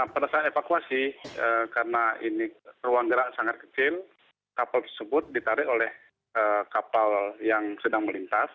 pada saat evakuasi karena ini ruang gerak sangat kecil kapal tersebut ditarik oleh kapal yang sedang melintas